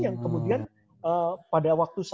yang kemudian pada waktu